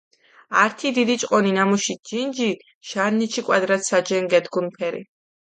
ართი დიდი ჭყონი, ნამუში ჯინჯი ჟარნეჩი კვადრატ საჯენ გედგუნფერი.